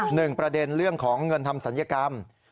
หนึ่งประเด็นเรื่องของเงินทำศัลยกรรม